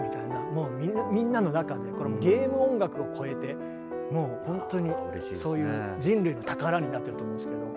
もうみんなの中でこれはもうゲーム音楽をこえてもうほんとにそういう人類の宝になってると思うんですけど。